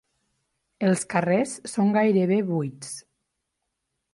Els carrers són gairebé buits.